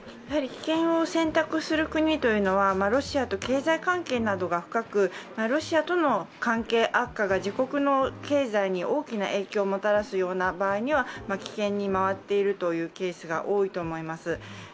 棄権を選択する国というのはロシアと経済関係などが深くロシアとの関係悪化が自国の経済に大きな影響をもたらす場合には、棄権に回っているというケースが多いと思います。